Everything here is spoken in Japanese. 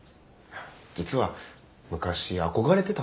実は昔憧れてたんで。